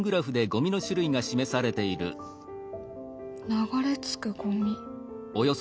流れ着くゴミ。